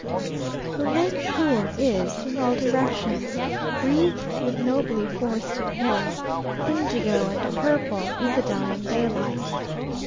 The lake shore is, in all directions, wreathed with nobly forested hills, indigo and purple in the dying daylight.